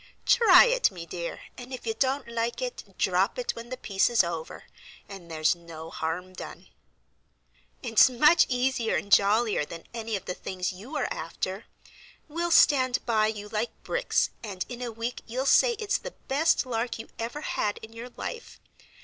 Try it, me dear, and if you don't like it drop it when the piece is over, and there's no harm done." "It's much easier and jollier than any of the things you are after. We'll stand by you like bricks, and in a week you'll say it's the best lark you ever had in your life.